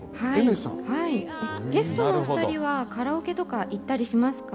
ゲストのお２人はカラオケとか行ったりしますか？